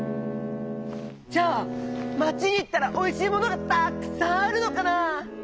じゃあ町にいったらおいしいものがたっくさんあるのかな？